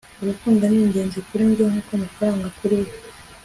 urukundo ni ingenzi kuri njye nkuko amafaranga kuri we